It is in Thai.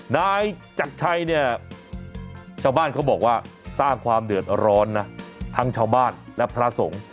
นายจักรชัยเนี่ยชาวบ้านเขาบอกว่าสร้างความเดือดร้อนนะทั้งชาวบ้านและพระสงฆ์